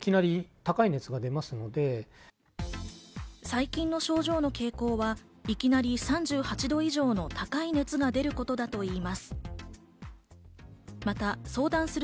最近の症状の傾向はいきなり３８度以上の高い熱が出ることだといいます。